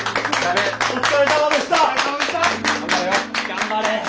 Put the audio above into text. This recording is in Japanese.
頑張れよ。